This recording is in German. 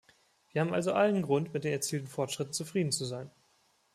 Wir haben also allen Grund, mit den erzielten Fortschritten zufrieden zu sein.